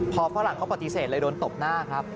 พอฝรั่งเขาปฏิเสธเลยโดนตบหน้าครับ